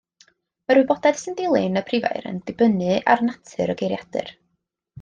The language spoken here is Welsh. Mae'r wybodaeth sy'n dilyn y prifair yn dibynnu ar natur y geiriadur.